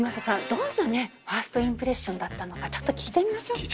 どんなねファーストインプレッションだったのかちょっと聞いてみましょうか。